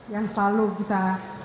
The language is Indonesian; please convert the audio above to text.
yang selalu kita